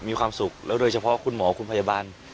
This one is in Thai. มีความสุขโดยเฉพาะคุณหมอครับคุณพยาบาล